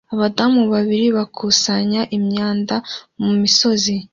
Abadamu babiri bakusanya imyanda mumisozi